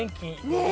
ねえ。